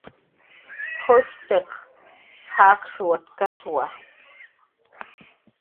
Jushiq jilwatkaswa